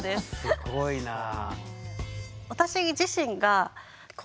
すごいなあ。